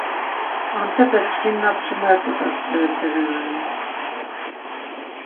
Antepe çkin na çumert̆it askerepe renani?